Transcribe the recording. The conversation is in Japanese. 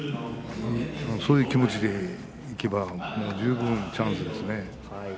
そういう気持ちでいけば十分チャンスですね。